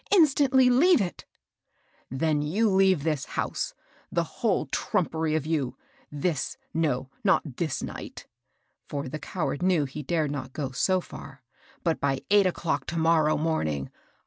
— instantly leave it 1" " Then yon leave this honse, — the whole tmm pery of you, — this, — no, not this night," (for the coward knew he dared not go so far), —" but by eight o'clock to morrow morning.